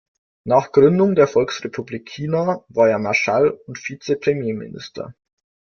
Nach Gründung der Volksrepublik China war er Marschall und Vize-Premierminister.